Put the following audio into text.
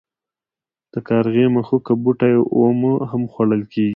د کارغي مښوکه بوټی اومه هم خوړل کیږي.